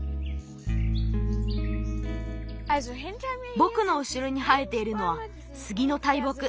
ぼくのうしろに生えているのはスギの大木。